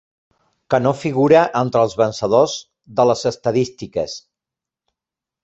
Que no figura entre els vencedors de les estadístiques.